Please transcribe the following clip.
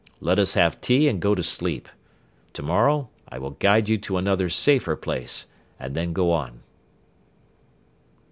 Let us have tea and go to sleep. Tomorrow I will guide you to another safer place and then go on."